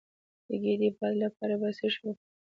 د ګیډې د باد لپاره باید څه شی وخورم؟